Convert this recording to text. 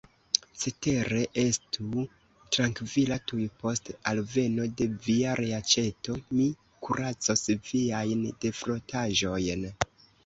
Cetere, estu trankvila: tuj post alveno de via reaĉeto, mi kuracos viajn defrotaĵojn.